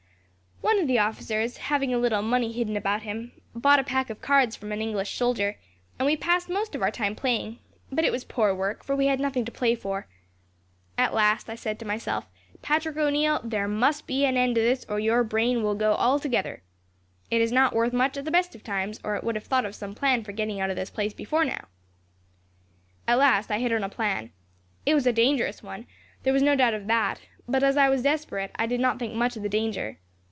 "One of the officers, having a little money hidden about him, bought a pack of cards from an English soldier, and we passed most of our time playing; but it was poor work, for we had nothing to play for. At last, I said to myself, 'Patrick O'Neil, there must be an end of this or your brain will go altogether. It is not worth much at the best of times, or it would have thought of some plan for getting out of this place before now.' "At last, I hit on a plan. It was a dangerous one, there was no doubt of that; but as I was desperate, I did not think much of the danger.